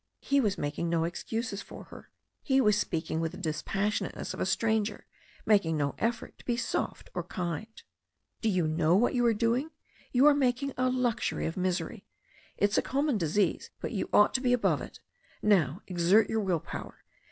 He was making no excuses for her. He was speaking with the dis THE STORY OF A NEW ZEALAND RIVER 107 passionateness of a stranger, making no effort to be soft or kind. "Do you know what you are doing? You are making a luxury of misery. It's a common disease, but you ought to be above it. Now exert your will power.